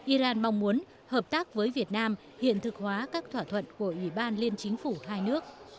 iran mong muốn hợp tác với việt nam hiện thực hóa các thỏa thuận của ủy ban liên chính phủ hai nước